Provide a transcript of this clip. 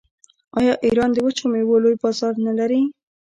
آیا ایران د وچو میوو لوی بازار نلري؟